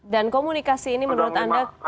dan komunikasi ini menurut anda